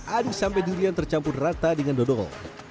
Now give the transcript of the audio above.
aduk sampai durian tercampur rata dengan dodol